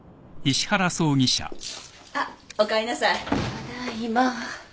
ただいま。